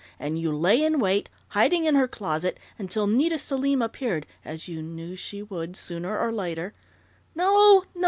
and you lay in wait, hiding in her closet until Nita Selim appeared, as you knew she would, sooner or later " "No, no!